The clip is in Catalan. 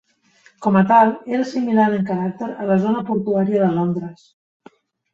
Com a tal, era similar en caràcter a la zona portuària de Londres.